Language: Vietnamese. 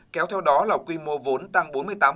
kéo theo đó là quy mô vốn tăng bốn mươi tám